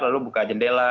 lalu buka jendela